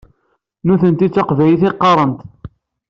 Nutenti d taqbaylit i qqaṛent.